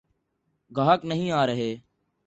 گاہک نہیں آرہے۔